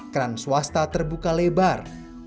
keran swasta terbuka lebar